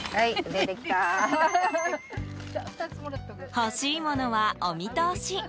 欲しいものはお見通し！